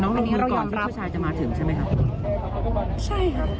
น้องลงมือก่อนที่ผู้ชายจะมาถึงใช่ไหมครับ